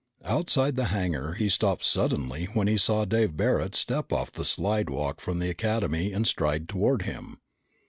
Outside the hangar, he stopped suddenly when he saw Dave Barret step off the slidewalk from the Academy and stride toward him.